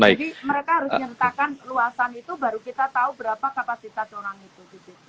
jadi mereka harus menyertakan luasan itu baru kita tahu berapa kapasitas orang itu